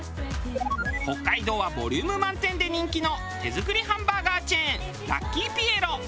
北海道はボリューム満点で人気の手作りハンバーガーチェーンラッキーピエロ。